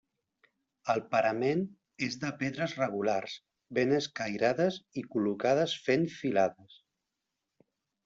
El parament és de pedres regulars ben escairades i col·locades fent filades.